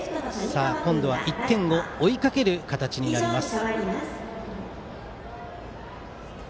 今度は１点を追いかける形になります。